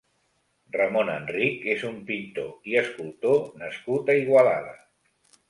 Ramon Enrich és un pintor i escultor nascut a Igualada.